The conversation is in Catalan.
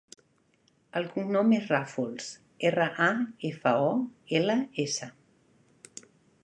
El cognom és Rafols: erra, a, efa, o, ela, essa.